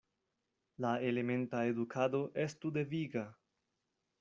La elementa edukado estu deviga.